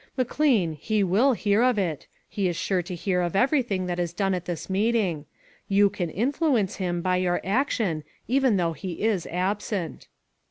" McLean, he will hear of it. He is sure to hear of everything that is done at this meeting. You can influence him by your action, even though he is absent."